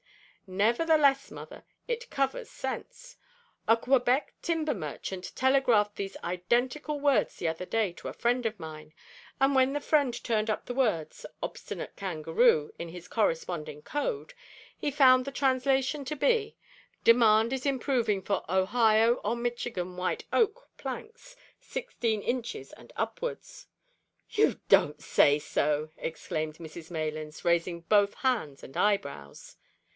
"Nevertheless, mother, it covers sense. A Quebec timber merchant telegraphed these identical words the other day to a friend of mine, and when the friend turned up the words `obstinate kangaroo' in his corresponding code, he found the translation to be, `Demand is improving for Ohio or Michigan white oak (planks), 16 inches and upwards.'" "You don't say so!" exclaimed Mrs Maylands, raising both hands and eyebrows.